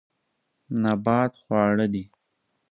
نبات خواړه دي.